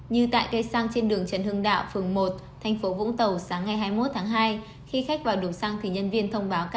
như tại cây xăng trên đường trần hưng đạo phường một tp vũng tàu sáng ngày hai mươi một tháng hai